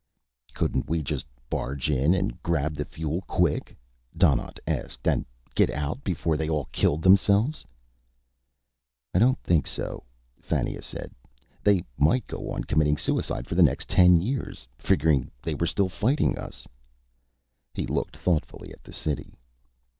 "Couldn't we just barge in and grab the fuel quick?" Donnaught asked. "And get out before they all killed themselves?" "I don't think so," Fannia said. "They might go on committing suicide for the next ten years, figuring they were still fighting us." He looked thoughtfully at the city.